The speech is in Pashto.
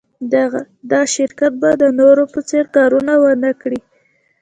دا شرکت باید د نورو په څېر کارونه و نهکړي